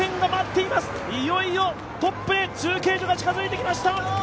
いよいよトップへ中継所が近づいてきました。